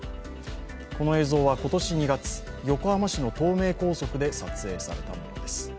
この映像は今年２月、横浜市の東名高速で撮影されたものです。